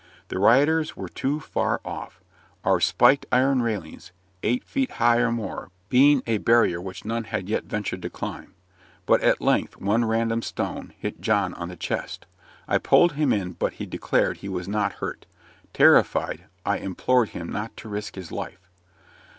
The rioters were too far off our spiked iron railings, eight feet high or more, being a barrier which none had yet ventured to climb. But at length one random stone hit John on the chest. I pulled him in, but he declared he was not hurt. Terrified, I implored him not to risk his life.